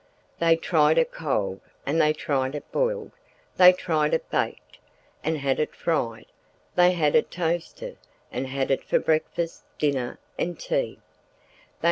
They tried it cold and they tried it boiled, they tried it baked, they had it fried, and they had it toasted, they had it for breakfast, dinner and tea.